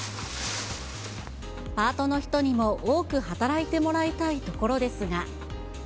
パートの人にも多く働いてもらいたいところですが。